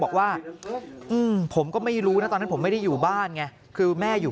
บอกว่าผมก็ไม่รู้นะตอนนั้นผมไม่ได้อยู่บ้านไงคือแม่อยู่